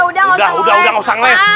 udah udah udah udah usah ngeles